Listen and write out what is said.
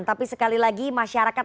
tapi sekali lagi masyarakat